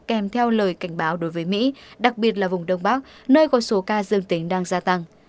kèm theo lời cảnh báo đối với mỹ đặc biệt là vùng đông bắc nơi có số ca dương tính đang gia tăng